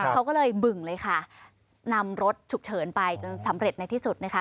เขาก็เลยบึงเลยค่ะนำรถฉุกเฉินไปจนสำเร็จในที่สุดนะคะ